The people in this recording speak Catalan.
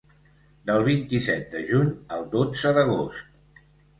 Del vint-i-set de juny al dotze d’agost.